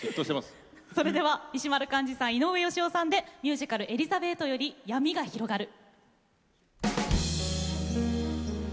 それでは石丸幹二さん井上芳雄さんでミュージカル「エリザベート」より「闇が広がる」。